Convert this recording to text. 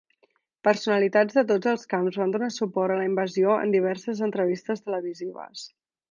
Personalitats de tots els camps van donar suport a la invasió en diverses entrevistes televisives.